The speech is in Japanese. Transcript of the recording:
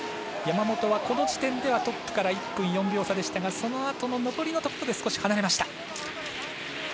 山本は、この時点ではトップから１分４秒差でしたがそのあとの残りのトップで少し離れました。